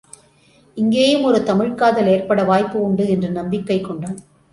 இங்கேயும் ஒரு தமிழ்க் காதல் ஏற்பட வாய்ப்பு உண்டு என்று நம்பிக்கை கொண்டான்.